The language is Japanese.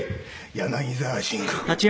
「柳沢慎吾」。